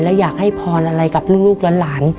แล้วอยากให้พรอะไรกับลูกหลาน